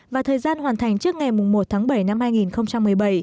và thời gian hoàn thành trước ngày một tháng bảy năm hai nghìn một mươi bảy